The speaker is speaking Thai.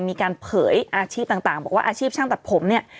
มีการเผยอาชีพต่างบอกว่าอาชีพช่างตัดผมเนี่ย